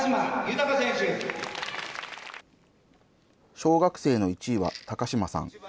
小学生の１位は高嶋さん。